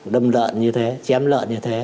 đâm lợn như thế chém lợn như thế